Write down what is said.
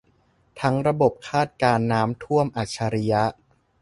ทั้งระบบคาดการณ์น้ำท่วมอัจฉริยะ